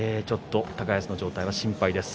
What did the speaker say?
ちょっと高安の状態が心配です。